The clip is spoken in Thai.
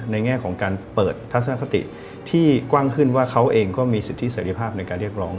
แง่ของการเปิดทัศนคติที่กว้างขึ้นว่าเขาเองก็มีสิทธิเสร็จภาพในการเรียกร้อง